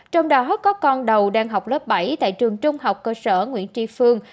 trong đó có con đầu đang học lớp bảy tại trường trung học cơ sở nguyễn tri phương